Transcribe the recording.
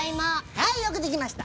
はいよくできました。